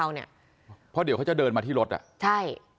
แซ็คเอ้ยเป็นยังไงไม่รอดแน่